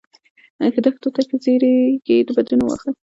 دښو نه ښه زیږیږي، د بدونه واښه.